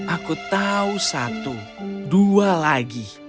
aku tahu satu dua lagi